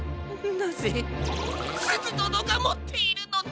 なぜすずどのがもっているのだ！？